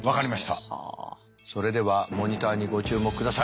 それではモニターにご注目ください。